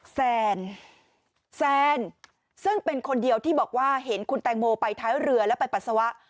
แซนแซนซึ่งเป็นคนเดียวที่บอกว่าเห็นคุณแตงโมไปท้ายเรือแล้วไปปัสสาวะ